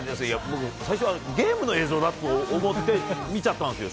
僕、最初はゲームの映像だと思って、見ちゃったんですよ。